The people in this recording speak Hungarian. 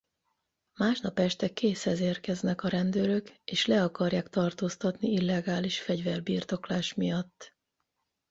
Másnap este Casehez érkeznek a rendőrök és le akarják tartóztatni illegális fegyver birtoklás miatt.